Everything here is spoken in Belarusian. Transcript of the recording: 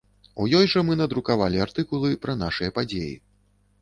У ёй жа мы надрукавалі артыкулы пра нашыя падзеі.